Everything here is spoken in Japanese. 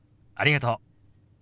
ありがとう。